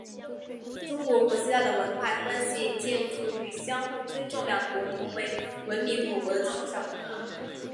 中国和希腊的文化关系建基于相互尊重两国同为文明古国的基础上。